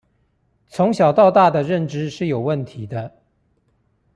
從小到大的認知是有問題的